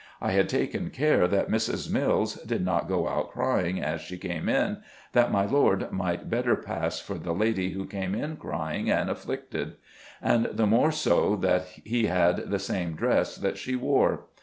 I had taken care that Mrs. Mills did not go out crying, as she came in, that my lord might better pass for the lady who came in crying and afflicted; and the more so that as he had the same dress that she wore.